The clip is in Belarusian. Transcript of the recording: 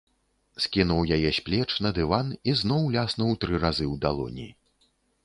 Скінуў яе з плеч на дыван і зноў ляснуў тры разы ў далоні.